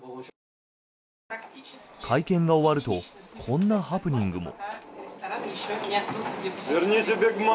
会見が終わるとこんなハプニングも。